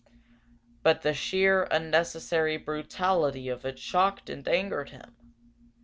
But the sheer, unnecessary brutality of it shocked and angered him.